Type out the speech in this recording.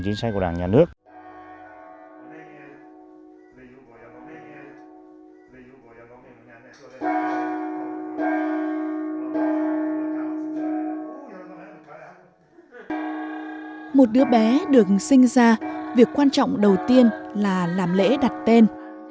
từ khi sinh ra việc quan trọng đầu tiên là làm lễ đặt tên